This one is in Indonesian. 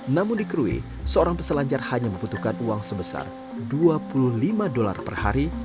namun di krui seorang peselancar hanya membutuhkan uang sebesar dua puluh lima dolar per hari